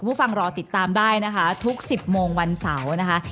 ผู้ฟังรอติดตามได้นะคะทุก๑๐โมงวันเสาร์นะคะ